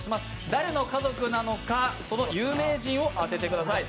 誰の家族なのかその有名人を当ててください。